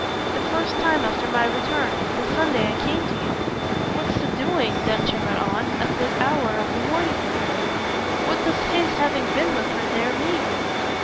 "The first time after my return the Sunday I came to you. What's he doing," Densher went on, "at that hour of the morning with her? What does his having been with her there mean?"